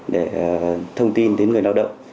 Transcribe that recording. để thông tin đến người lao động